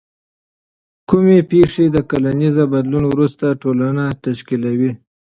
کومې پیښې د کلنیزې بدلون وروسته ټولنه تشکیلوي؟